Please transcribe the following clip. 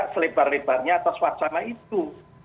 selebar lebarnya atas wacana itu